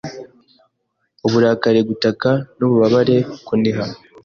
Uburakari gutaka n'ububabare kuniha